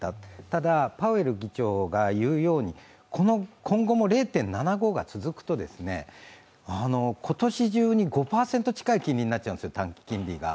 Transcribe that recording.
ただ、パウエル議長が言うように今後も０．７５が続くと、今年中に５％近い金利になっちゃうんです、短期金利が。